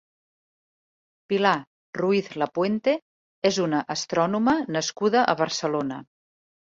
Pilar Ruiz-Lapuente és una astrònoma nascuda a Barcelona.